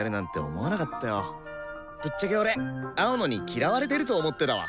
ぶっちゃけ俺青野に嫌われてると思ってたわ！